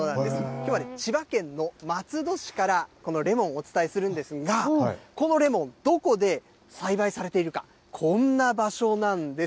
きょうは千葉県の松戸市から、このレモンをお伝えするんですが、このレモン、どこで栽培されているか、こんな場所なんです。